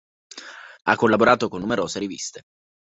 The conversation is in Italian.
Ha collaborato con numerose riviste.